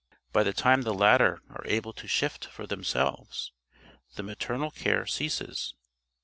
By the time the latter are able to shift for themselves, the maternal care ceases.